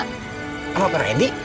sama ke reddy